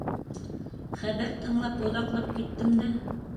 — Хәбәр тыңлап оҙаҡлап киттем дә.